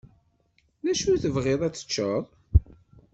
D acu tebɣiḍ ad teččeḍ?